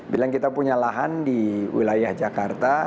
bilang kita punya lahan di wilayah jakarta